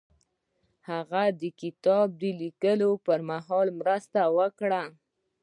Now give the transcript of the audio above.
هغه د کتاب لیکلو پر مهال مرسته وکړه.